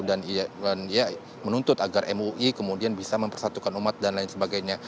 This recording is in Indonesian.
dan ia menuntut agar mui kemudian bisa mempersatukan umat dan lain sebagainya